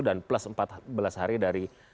dan plus empat belas hari dari